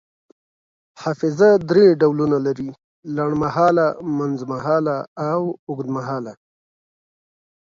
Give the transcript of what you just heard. حافظه دری ډولونه لري: لنډمهاله، منځمهاله او اوږدمهاله